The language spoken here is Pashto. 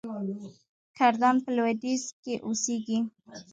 کردان په لویدیځ کې اوسیږي.